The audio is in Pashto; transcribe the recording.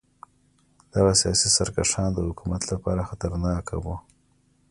دغه سیاسي سرکښان د حکومت لپاره خطرناک وو.